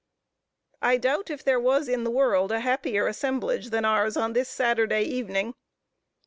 I doubt if there was in the world a happier assemblage than ours, on this Saturday evening.